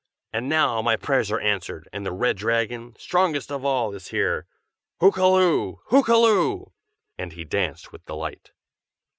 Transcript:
And now my prayers are answered, and the Red Dragon, strongest of all, is here! Hokkaloo! hokkaloo!" and he danced with delight.